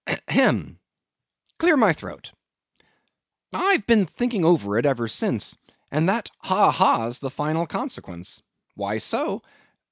ha! hem! clear my throat!—I've been thinking over it ever since, and that ha, ha's the final consequence. Why so?